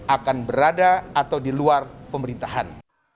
akan berada atau di luar pemerintahan